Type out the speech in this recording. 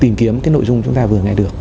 tìm kiếm cái nội dung chúng ta vừa nghe được